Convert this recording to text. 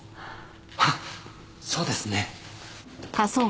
ハハそうですね。